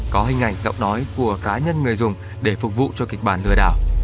có hình ảnh giọng nói của cá nhân người dùng để phục vụ cho kịch bản lừa đảo